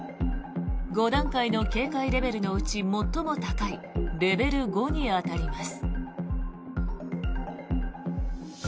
５段階の警戒レベルのうち最も高いレベル５に当たります。